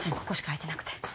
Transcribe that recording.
ここしか空いてなくて。